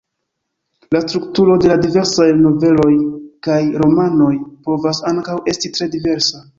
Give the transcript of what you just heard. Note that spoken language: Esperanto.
La strukturo de la diversaj noveloj kaj romanoj povas ankaŭ esti tre diversa.